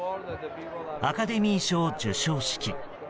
アカデミー賞授賞式。